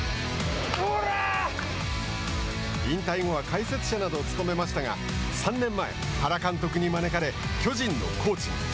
引退後は解説者などを務めましたが３年前、原監督に招かれ巨人のコーチに。